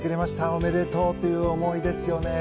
おめでとうという思いですね。